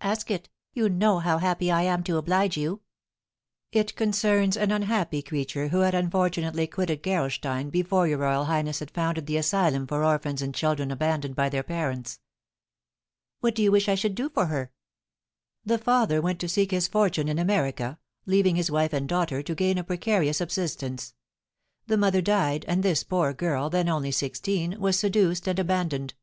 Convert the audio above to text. "Ask it, you know how happy I am to oblige you." "It concerns an unhappy creature who had unfortunately quitted Gerolstein before your royal highness had founded the asylum for orphans and children abandoned by their parents." "What do you wish I should do for her?" "The father went to seek his fortune in America, leaving his wife and daughter to gain a precarious subsistence. The mother died, and this poor girl, then only sixteen, was seduced and abandoned.